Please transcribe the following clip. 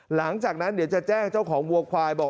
หลังจากนั้นเดี๋ยวจะแจ้งเจ้าของวัวควายบอก